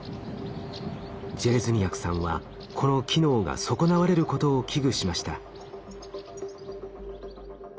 ジェレズニヤクさんはこの機能が損なわれることを危惧しました。